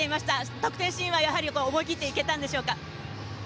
得点シーンは思い切っていけたんでしょうか？